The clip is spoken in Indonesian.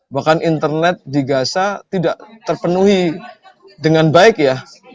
bahkan internet di gaza tidak terpenuhi dengan baik ya